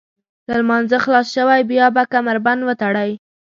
له لمانځه خلاص شوئ بیا به کمربند وتړئ.